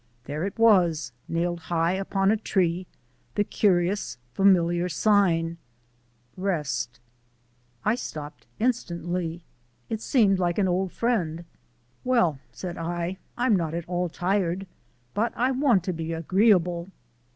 There it was, nailed high upon tree, the curious, familiar sign: [ REST ] I stopped instantly. It seemed like an old friend. "Well," said I. "I'm not at all tired, but I want to be agreeable."